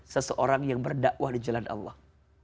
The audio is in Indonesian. seseorang yang berdakwah di jalan allah